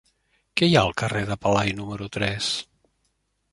Què hi ha al carrer de Pelai número tres?